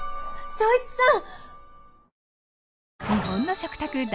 昇一さん！